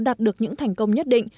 đạt được những thành công nhất định